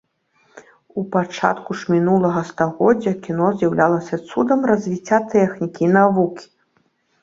У пачатку ж мінулага стагоддзя кіно з'яўлялася цудам развіцця тэхнікі і навукі.